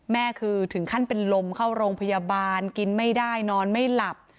แม่คือถึงขั้นเป็นลมเข้าโรงพยาบาลกินไม่ได้นอนไม่หลับ